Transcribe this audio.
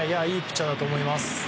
いいピッチャーだと思います。